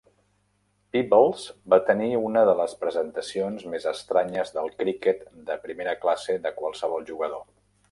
Peebles va tenir una de les presentacions més estranyes del criquet de primera classe de qualsevol jugador.